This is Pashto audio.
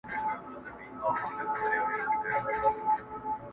جهاني کله له ډیوو سره زلمي را وزي٫